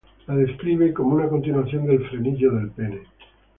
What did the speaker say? La describe como una continuación del frenillo del pene.